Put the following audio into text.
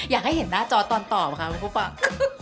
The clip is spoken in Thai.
อยากให้เห็นหน้าจอสตอนตอบค่ะคุณผู้ฟัง